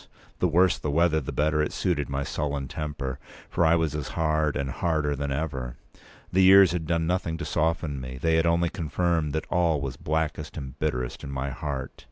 The worse the weather, the better it suited with my sullen temper. For I was as hard, and harder than ever. The years had done nothing to soften me. They had only confirmed all that was blackest and bitterest in my heart.